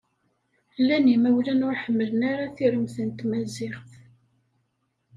Llan imawlan ur ḥemmlen ara tiremt n tmaziɣt.